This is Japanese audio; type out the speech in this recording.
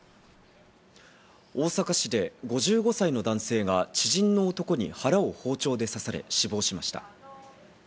大阪市で５５歳の男性が知人の男に腹を包丁で刺され死亡しました。